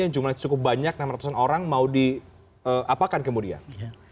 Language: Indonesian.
yang jumlahnya cukup banyak enam ratusan orang mau diapakan kemudian